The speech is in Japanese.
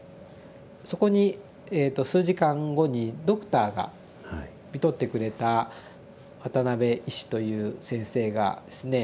そこにえと数時間後にドクターがみとってくれたワタナベ医師という先生がですね